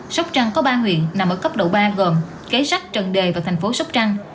sóc trăng có ba huyện nằm ở cấp độ ba gồm kế sách trần đề và thành phố sóc trăng